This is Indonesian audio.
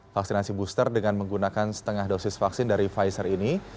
vaksinasi booster dengan menggunakan setengah dosis vaksin dari pfizer ini